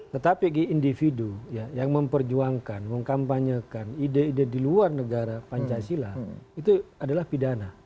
tetapi individu yang memperjuangkan mengkampanyekan ide ide di luar negara pancasila itu adalah pidana